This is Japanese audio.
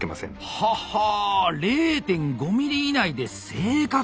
はは０．５ｍｍ以内で正確！